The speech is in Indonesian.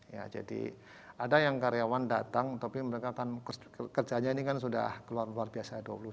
ya jadi ada yang karyawan datang tapi mereka kan kerjanya ini kan sudah keluar luar biasa